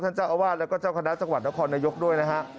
เจ้าอาวาสแล้วก็เจ้าคณะจังหวัดนครนายกด้วยนะฮะ